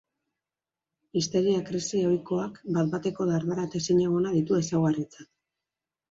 Histeria-krisi ohikoak bat-bateko dardara eta ezinegona ditu ezaugarritzat.